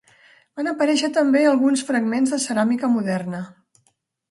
Van aparèixer també alguns fragments de ceràmica moderna.